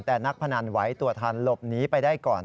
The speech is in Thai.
แต่นักพนันไหวตัวทันหลบหนีไปได้ก่อน